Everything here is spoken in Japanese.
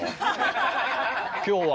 今日は。